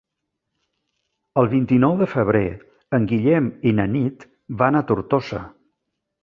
El vint-i-nou de febrer en Guillem i na Nit van a Tortosa.